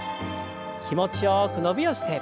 気持ちよく伸びをして。